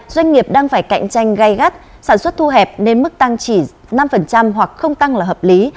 doanh nghiệp đang phải cạnh tranh gây gắt sản xuất thu hẹp nên mức tăng chỉ năm hoặc không tăng là hợp lý